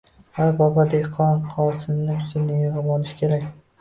Hoy, bobodehqon, hosilning ustini yig’ib olish kerak!